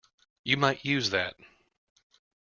You might use that.